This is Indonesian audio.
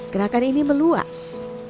gerakan ini meluas